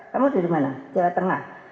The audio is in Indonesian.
kamu dari mana jawa tengah